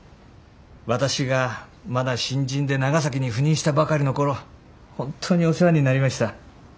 私がまだ新人で長崎に赴任したばかりの頃本当にお世話になりました。